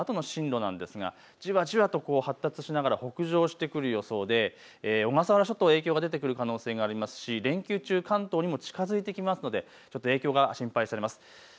台風になったあとの進路ですがじわじわと発達しながら北上してくる予想で小笠原諸島に影響が出てくる可能性がありますし連休中、関東に近づいてくるので影響が心配されます。